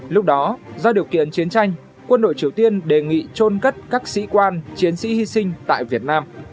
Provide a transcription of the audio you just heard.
lúc đó do điều kiện chiến tranh quân đội triều tiên đề nghị trôn cất các sĩ quan chiến sĩ hy sinh tại việt nam